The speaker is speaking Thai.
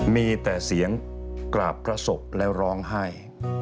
มีแต่เสียงกราบพระศพและร้องไห้